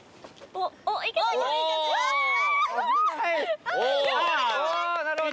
おなるほど。